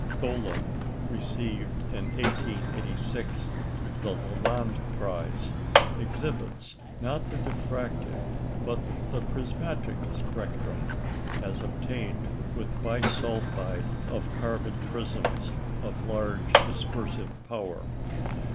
Thollon received in 1886 the Lalande Prize, exhibits, not the diffractive, but the prismatic spectrum as obtained with bisulphide of carbon prisms of large dispersive power.